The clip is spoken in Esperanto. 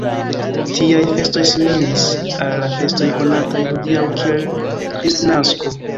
Tiaj festoj similis al la festoj konataj hodiaŭ kiel Kristnasko.